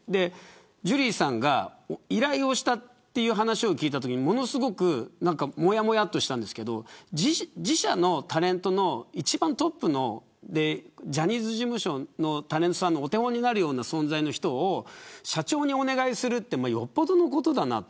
ジュリーさんが依頼をしたという話を聞いたときにものすごくもやもやとしたんですけど自社のタレントの一番トップのジャニーズ事務所のタレントさんのお手本になるような存在の人を社長にお願いするってよっぽどのことだなと。